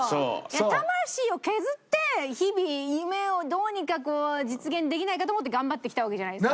魂を削って日々夢をどうにか実現できないかと思って頑張ってきたわけじゃないですか。